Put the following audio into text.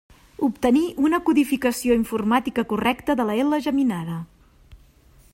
Obtenir una codificació informàtica correcta de la ela geminada.